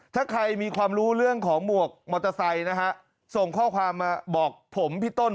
ถ้าใครมีความรู้เรื่องของหมวกมอเตอร์ไซค์นะฮะส่งข้อความมาบอกผมพี่ต้น